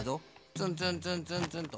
ツンツンツンツンツンと。